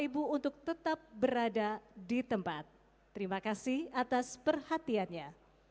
ibu untuk tetap berada di tempat terima kasih atas perhatiannya